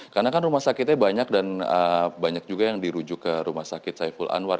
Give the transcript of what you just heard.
karena kan rumah sakitnya banyak dan banyak juga yang dirujuk ke rumah sakit saiful anwar